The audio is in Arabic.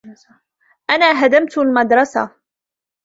أنا هدمت المدرسة.